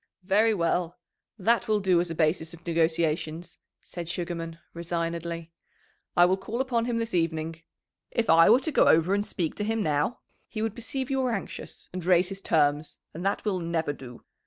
"Very well; that will do as a basis of negotiations," said Sugarman resignedly. "I will call upon him this evening. If I were to go over and speak to him now he would perceive you were anxious and raise his terms, and that will never do.